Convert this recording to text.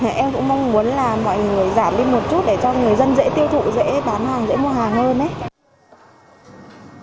em cũng mong muốn là mọi người giảm đi một chút để cho người dân dễ tiêu thụ dễ bán hàng dễ mua hàng hơn